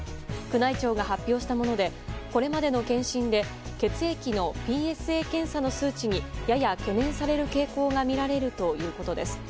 宮内庁が発表したものでこれまでの検診で血液のＰＳＡ検査の数値にやや懸念される傾向がみられるということです。